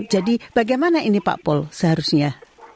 jadi bagaimana ini pak paul seharusnya